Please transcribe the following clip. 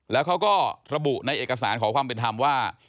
แล้วเขาก็ระบุในเอกสารขอความเป็นธรรมว่า